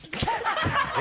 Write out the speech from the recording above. ハハハ